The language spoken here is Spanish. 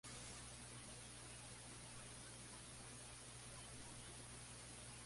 Robles, al igual que coordinando el área de comunicación social.